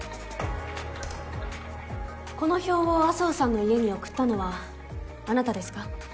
この表を麻生さんの家に送ったのはあなたですか？